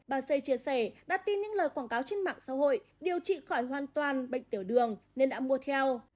bà xê chia sẻ đã tin những lời quảng cáo trên mạng xã hội điều trị khỏi hoàn toàn bệnh tiểu đường nên đã mua theo